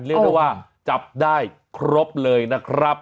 เรียกได้ว่าจับได้ครบเลยนะครับ